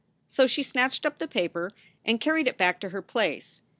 So she snatched up the paper and carried it back to her place.